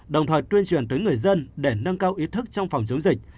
đồng thời tuyên truyền tới người dân để nâng cao ý thức trong phòng chống dịch